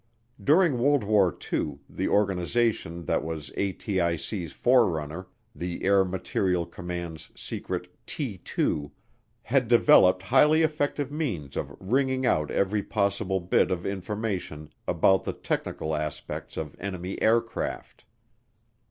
During World War II the organization that was ATIC's forerunner, the Air Materiel Command's secret "T 2," had developed highly effective means of wringing out every possible bit of information about the technical aspects of enemy aircraft.